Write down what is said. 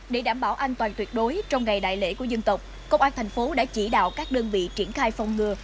để đảm bảo an toàn tuyệt đối trong ngày đại lễ của dân tộc công an thành phố đã chỉ đạo các đơn vị triển khai phòng ngừa